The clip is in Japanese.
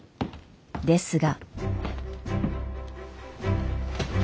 ですが。